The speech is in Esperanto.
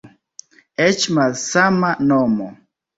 Eĉ malsama nomo.